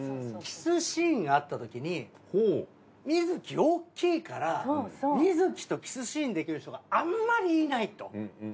キスシーンあったときに観月おっきいから観月とキスシーンできる人があんまりいないと。